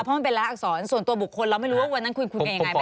เพราะมันเป็นละอักษรส่วนตัวบุคคลเราไม่รู้ว่าวันนั้นคุยกันยังไงบ้าง